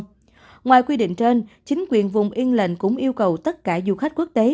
theo quy định trên chính quyền vùng yên lạnh cũng yêu cầu tất cả du khách quốc tế